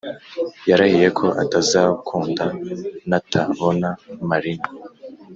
yarahiye ko atazakunda natabona Marina